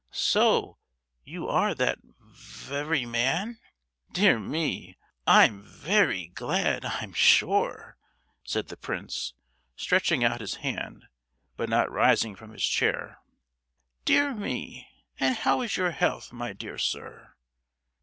So you are that ve—ry man? Dear me, I'm very glad, I'm sure," said the prince, stretching out his hand, but not rising from his chair. "Dear me, and how is your health, my dear sir?"